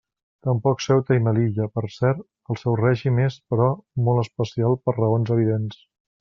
Tampoc Ceuta i Melilla, per cert —el seu règim és, però, molt especial per raons evidents.